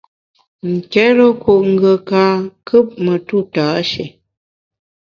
Nkérekut ngùe ka kùp metu tâshé.